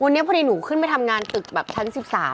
วันนี้พอดีหนูขึ้นไปทำงานตึกแบบชั้น๑๓